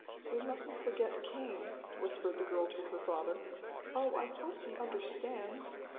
"We mustn't forget Cain," whispered the girl to her father. "Oh, I hope he understands!"